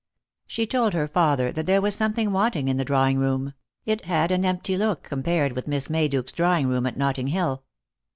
She told her father that there was something wanting in the drawing room — it had an empty look compared with Miss Mayduke's d rawing room at Notting hill.